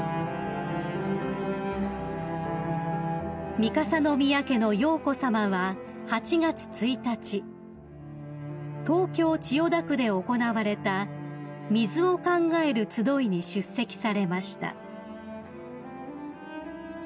［三笠宮家の瑶子さまは８月１日東京千代田区で行われた水を考えるつどいに出席されました］